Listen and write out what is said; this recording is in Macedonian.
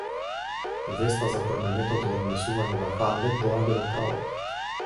Веста за променетото однесување на Хамлет доаѓа до кралот.